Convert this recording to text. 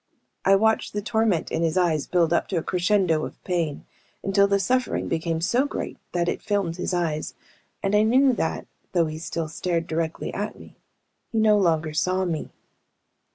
I watched the torment in his eyes build up to a crescendo of pain, until the suffering became so great that it filmed his eyes, and I knew that, though he still stared directly at me, he no longer saw me.